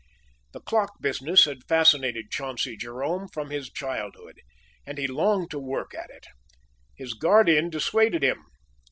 The clock business had fascinated Chauncey Jerome from his childhood, and he longed to work at it. His guardian dissuaded him.